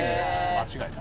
間違いない。